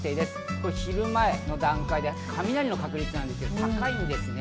これ昼前の段階、雷の確率ですが高いんです。